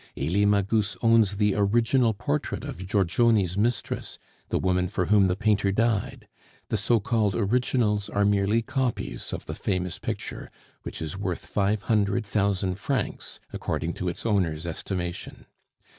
Elie Magus owns the original portrait of Giorgione's Mistress, the woman for whom the painter died; the so called originals are merely copies of the famous picture, which is worth five hundred thousand francs, according to its owner's estimation.